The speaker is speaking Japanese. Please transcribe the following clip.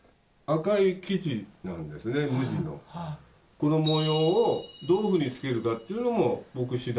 この模様をどういうふうにつけるかっていうのも僕次第。